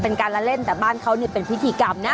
เป็นการเล่นแต่บ้านเขาเป็นพิธีกรรมนะ